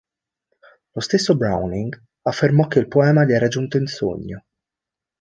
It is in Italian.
Lo stesso Browning affermò che il poema gli era giunto in sogno.